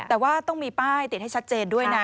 แต่ว่าต้องมีป้ายติดให้ชัดเจนด้วยนะ